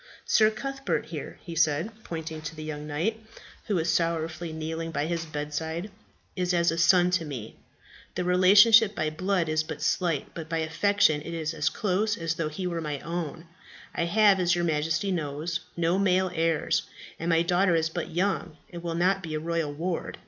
"Sir Cuthbert, here," he said, pointing to the young knight, who was sorrowfully kneeling by his bedside, "is as a son to me. The relationship by blood is but slight, but by affection it is as close as though he were mine own. I have, as your Majesty knows, no male heirs, and my daughter is but young, and will now be a royal ward.